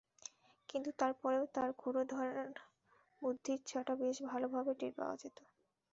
কিন্তু তার পরেও তার ক্ষুরধার বুদ্ধির ছটা বেশ ভালোভাবে টের পাওয়া যেত।